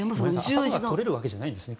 頭が取れるわけじゃないんですね